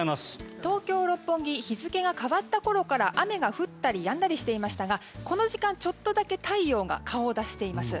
東京・六本木日付が変わったころから雨が降ったりやんだりしていましたがこの時間、ちょっとだけ太陽が顔を出しています。